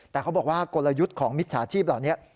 แต่เขาบอกว่ากลยุทธ์ของมิจฉาชีพเหล่านี้